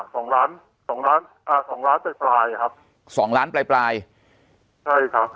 สองล้านสองล้านอ่าสองล้านเจ็ดปลายอ่ะครับสองล้านปลายปลายใช่ครับ